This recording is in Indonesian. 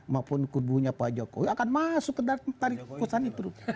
maupun kubunya pak jokowi akan masuk ke dalam tarik kekuasaan itu